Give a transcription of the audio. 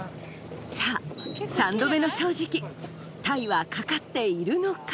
さぁ三度目の正直タイは掛かっているのか？